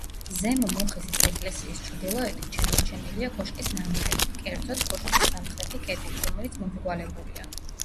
ზემო მოხისის ეკლესიის ჩრდილოეთით შემორჩენილია კოშკის ნანგრევი, კერძოდ, კოშკის სამხრეთი კედელი, რომელიც მომრგვალებულია.